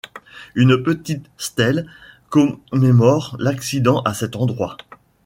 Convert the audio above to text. Une petite stèle commémore l'accident à cet endroit.